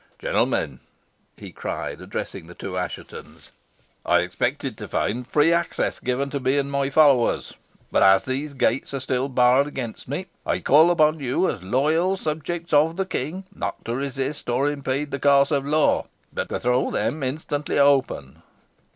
"Gentlemen," he cried, addressing the two Asshetons, "I expected to find free access given to me and my followers; but as these gates are still barred against me, I call upon you, as loyal subjects of the King, not to resist or impede the course of law, but to throw them instantly open."